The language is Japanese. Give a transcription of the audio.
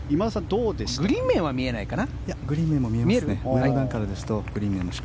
グリーン面は見えないかな。